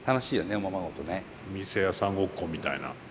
お店屋さんごっこみたいな。